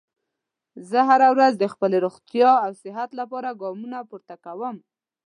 زه هره ورځ د خپلې روغتیا او صحت لپاره ګامونه پورته کوم